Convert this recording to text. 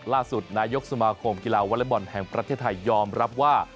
ล่าสุดนายกสมาคมกีฬาวอเล็กบอลแห่งประเทศไทยยอมรับว่า